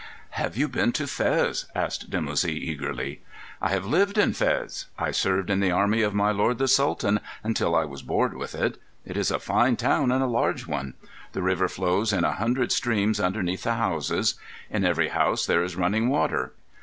"Have you been to Fez?" asked Dimoussi eagerly. "I have lived in Fez. I served in the army of my lord the Sultan until I was bored with it. It is a fine town and a large one. The river flows in a hundred streams underneath the houses. In every house there is running water.